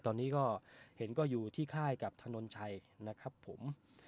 ตอนนี้ก็เห็นก็อยู่ที่ค่ายกับถนนชัยนะครับผม